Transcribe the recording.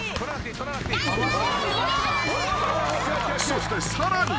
［そしてさらに］